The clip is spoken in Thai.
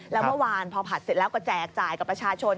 แล้วเมื่อวานพอผัดเสร็จแล้วก็แจกจ่ายกับประชาชน